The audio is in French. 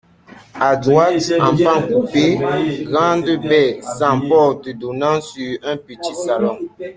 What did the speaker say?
A droite, en pan coupé, grande baie sans porte donnant sur un petit salon.